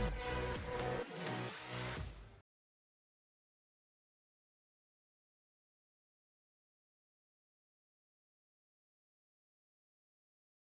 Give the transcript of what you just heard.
sampai jumpa di video selanjutnya